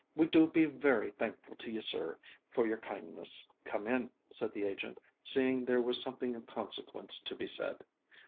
We do be very thankful to you, sir, for your kindness." "Come in," said the agent, seeing there was something of consequence to be said.